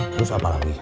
terus apa lagi